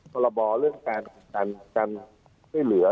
มอลละบอเรื่องการช่วยหลักต่อผลัสไม่เหลือ